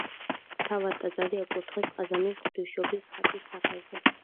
თავად ტაძარი აკურთხეს ყაზანის ღვთისმშობლის ხატის სახელზე.